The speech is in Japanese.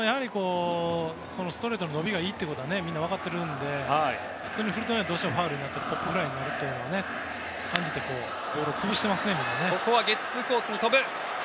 ストレートの伸びがいいということはみんな分かっているので普通に振るとどうしてもファウルになったりポップフライになると思ってボールを潰していますね。